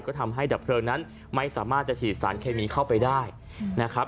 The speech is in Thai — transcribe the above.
ก็ทำให้ดับเพลิงนั้นไม่สามารถจะฉีดสารเคมีเข้าไปได้นะครับ